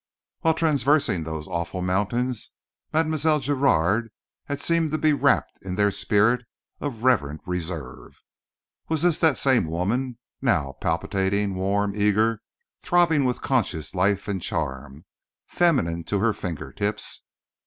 While traversing those awful mountains, Mile. Giraud had seemed to be wrapped in their spirit of reverent reserve. Was this that same woman—now palpitating, warm, eager, throbbing with conscious life and charm, feminine to her finger tips?